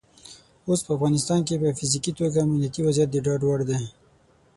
اوس په افغانستان کې په فزیکي توګه امنیتي وضعیت د ډاډ وړ دی.